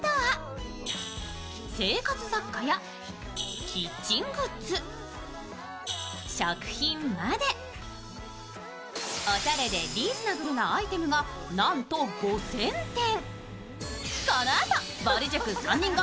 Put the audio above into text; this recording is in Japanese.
生活雑貨やキッチングッズ、食品までおしゃれでリーズナブルなアイテムが、なんと５０００点。